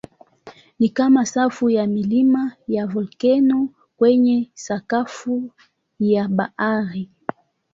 Ni kama safu ya milima ya volkeno kwenye sakafu ya bahari.